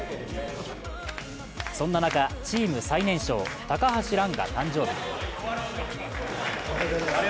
そんな中、チーム最年少、高橋藍が誕生日。